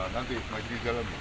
nanti masih di dalam